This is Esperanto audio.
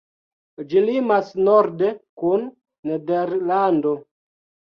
Ĝi limas norde kun Nederlando.